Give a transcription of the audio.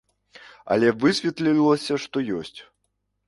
Але высветлілася, што ёсць!